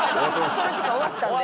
その時間終わったんで。